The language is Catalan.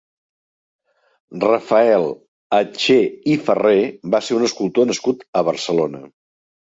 Rafael Atché i Ferré va ser un escultor nascut a Barcelona.